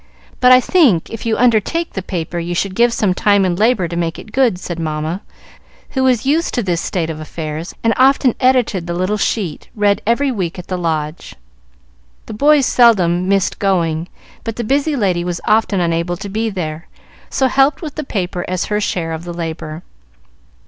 But I think if you undertake the paper you should give some time and labor to make it good," said Mamma, who was used to this state of affairs, and often edited the little sheet read every week at the Lodge. The boys seldom missed going, but the busy lady was often unable to be there, so helped with the paper as her share of the labor.